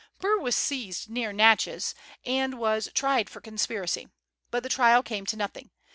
Burr was seized near Natchez, and was tried for conspiracy; but the trial came to nothing.